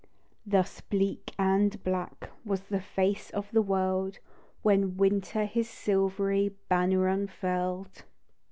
Thus bleak and black Was the face of the world When Winter his silvery Banner unfurled, 84 THE DEW DROP.